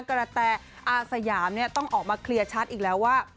กระแตอาสยามต้องออกมาเคลียร์ชัดอีกแล้วว่า